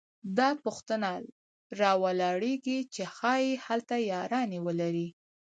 دا پوښتنه راولاړېږي چې ښايي هلته یارانې ولري